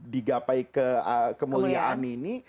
digapai kemuliaan ini